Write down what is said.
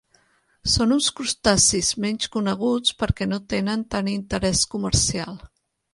Són uns crustacis menys coneguts perquè no tenen tant interès comercial.